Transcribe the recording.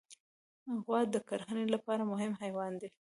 غوا د کرهڼې لپاره مهم حیوان دی.